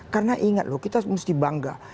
karena ingat kita mesti bangga